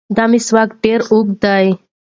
دا مسواک ډېر اوږد دی.